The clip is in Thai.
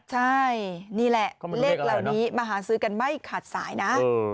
ใช่นี่แหละเลขเหล่านี้มาหาซื้อกันไม่ขาดสายนะ